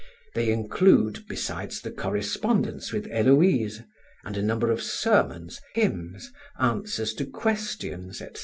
They include, besides the correspondence with Héloïse, and a number of sermons, hymns, answers to questions, etc.